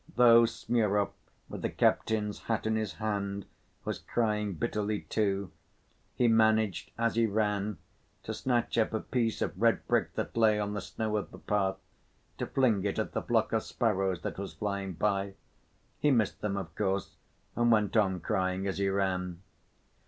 Though Smurov, with the captain's hat in his hand, was crying bitterly too, he managed, as he ran, to snatch up a piece of red brick that lay on the snow of the path, to fling it at the flock of sparrows that was flying by. He missed them, of course, and went on crying as he ran.